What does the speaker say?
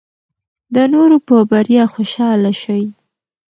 د نورو په بریا خوشحاله شئ.